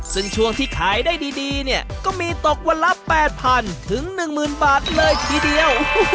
ซึ่งช่วงที่ขายได้ดีเนี่ยก็มีตกวันละ๘๐๐๐ถึง๑๐๐บาทเลยทีเดียว